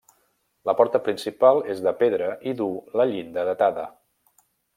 La porta principal és de pedra i duu la llinda datada.